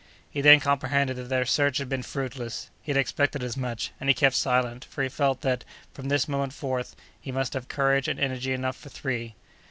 He then comprehended that their search had been fruitless. He had expected as much, and he kept silent, for he felt that, from this moment forth, he must have courage and energy enough for three.